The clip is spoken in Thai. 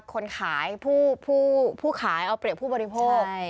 คนขายผู้ขายเอาเปรียบผู้บริโภค